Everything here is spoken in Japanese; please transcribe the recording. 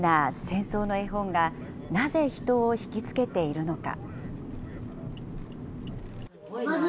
このシンプルな戦争の絵本が、なぜ人を引き付けているのか。